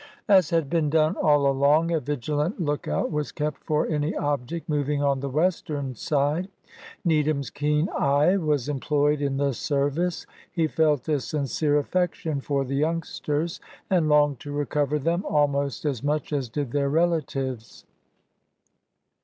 As had been done all along, a vigilant lookout was kept for any object moving on the western side. Needham's keen eye was employed in the service; he felt a sincere affection for the youngsters, and longed to recover them almost as much as did their relatives.